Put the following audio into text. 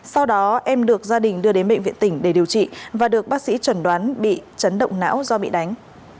sau đó em được gia đình đưa đến bệnh viện tỉnh để điều trị và được bác sĩ chuẩn đoán bị chấn động não do bị đánh